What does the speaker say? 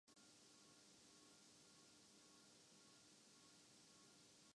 کوئی انسان ڈوب بھی نہیں سکتا